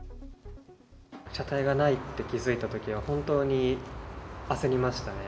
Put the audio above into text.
車体がないって気付いたときは、本当に焦りましたね。